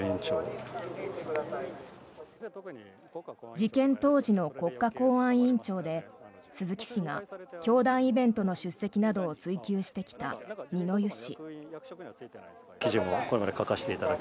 事件当時の国家公安委員長で鈴木氏が教団イベントの出席などを追及してきた二之湯氏。